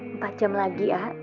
empat jam lagi ya